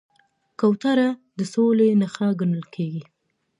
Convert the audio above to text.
کوتره د سولې نښه ګڼل کېږي.